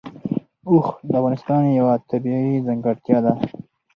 اوښ د افغانستان یوه طبیعي ځانګړتیا ده.